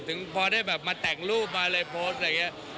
พอได้แบบมาแต่งรูปมาเลยโพสต์อะไรอย่างนี้